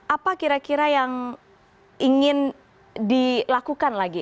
apa kira kira yang ingin dilakukan lagi